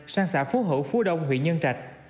sang xã phú hữu phú đông huyện nhân trạch